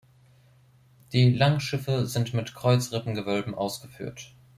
Die Langschiffe sind mit Kreuzrippengewölben ausgeführt.